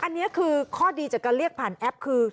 อันนี้คือข้อดีจากการเรียกผ่านแอปคือ